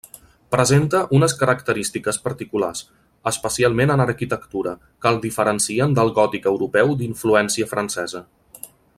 Presenta unes característiques particulars, especialment en arquitectura, que el diferencien del gòtic europeu d'influència francesa.